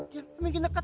gampang bikin deket